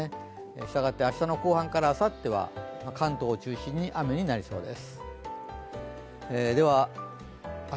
したがって、明日の後半からあさっては、関東を中心に雨になりそうです。